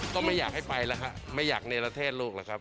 ก็ไม่อยากให้ไปล่ะครับไม่อยากในละเทศ